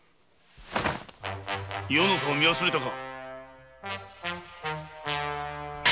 余の顔を見忘れたか！